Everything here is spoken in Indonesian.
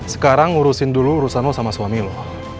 sekarang ngurusin dulu urusan lo sama suami lo